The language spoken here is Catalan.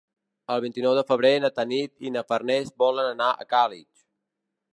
El vint-i-nou de febrer na Tanit i na Farners volen anar a Càlig.